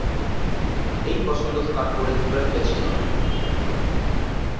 এই পছন্দ Scarborough expressway ছিল না.